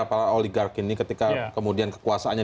apalagi oligark ini ketika kemudian kekuasaannya